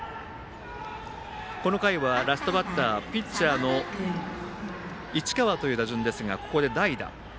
この回はラストバッター、ピッチャーの市川という打順ですがここで代打。